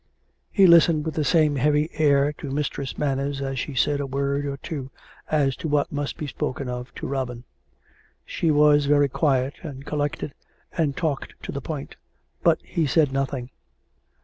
He listened with the same heavy air to Mistress Man ners as she said a word or two as to what must be spoken of to Robin. She was very quiet and collected, and talked to the point. But he said nothing.